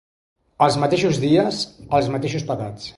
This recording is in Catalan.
Els mateixos dies, els mateixos pecats.